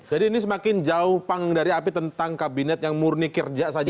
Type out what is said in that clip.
jadi ini semakin jauh panggung dari api tentang kabinet yang murni kerja saja